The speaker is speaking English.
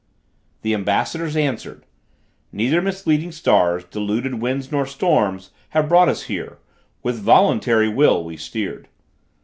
The ambassadors answered: "Neither misleading stars, deluding winds nor storm Here brought us; with voluntary will we steered."